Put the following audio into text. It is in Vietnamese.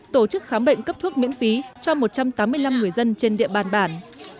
tổ chức khám bệnh cấp thuốc miễn phí cho một trăm tám mươi năm người dân trên địa bàn bản